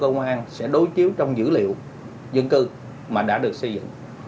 cơ quan sẽ đối chiếu trong dữ liệu dân cư mà đã được xây dựng